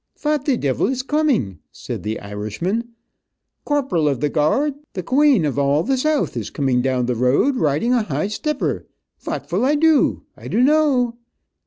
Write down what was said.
"Phat the divil is it coming," said the Irishman. "Corporal of the guaod, the quane of all the South is coming down the road, riding a high stepper. Phat will I do, I dunno?"